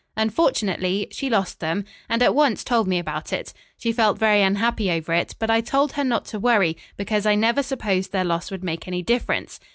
Unfortunately, she lost them, and at once told me about it. She felt very unhappy over it; but I told her not to worry, because I never supposed their loss would make any difference.